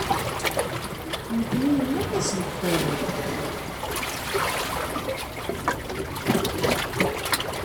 Nekkni nennum iḍes deg uqiḍun.